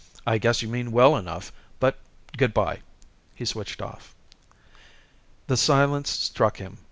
"I guess you mean well enough. But goodbye." He switched off. The silence struck him.